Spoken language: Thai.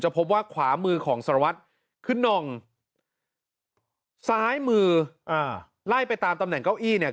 พบว่าขวามือของสารวัตรคือน่องซ้ายมือไล่ไปตามตำแหน่งเก้าอี้เนี่ย